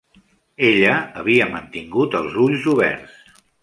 Ella havia mantingut els ulls oberts.